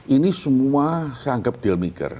ini semua saya anggap dealmaker